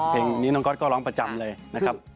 เพลงนี้น้องก๊อตก็ร้องประจำเลยนะครับ